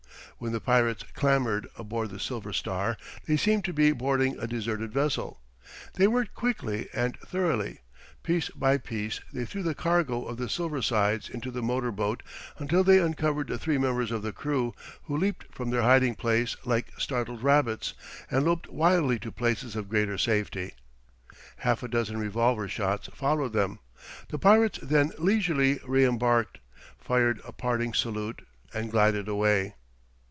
When the pirates clambered aboard the Silver Star they seemed to be boarding a deserted vessel. They worked quickly and thoroughly. Piece by piece they threw the cargo of the Silver Sides into the motor boat until they uncovered the three members of the crew, who leaped from their hiding place like startled rabbits and loped wildly to places of greater safety. Half a dozen revolver shots followed them. The pirates then leisurely reëmbarked, fired a parting salute, and glided away.